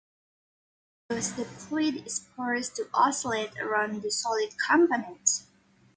Thus the fluid is forced to oscillate around the solid components.